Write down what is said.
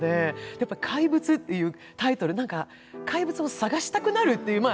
やっぱり「怪物」っていうタイトル、なんか、怪物を探したくなるっていう。